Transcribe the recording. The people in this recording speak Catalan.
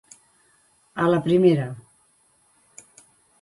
A la primera.